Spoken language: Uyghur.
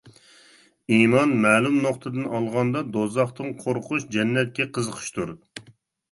ئىمان مەلۇم نۇقتىدىن ئالغاندا دوزاختىن قورقۇش، جەننەتكە قىزىقىشتۇر.